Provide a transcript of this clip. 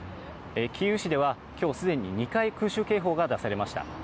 キーウ市ではきょうすでに２回、空襲警報が出されました。